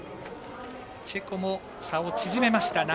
チェコも差を縮めました。